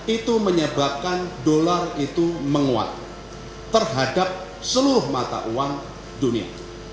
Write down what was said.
itu menyebabkan dolar itu menguat terhadap seluruh mata uang dunia